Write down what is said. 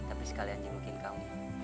iya tapi sekalian jengukin kamu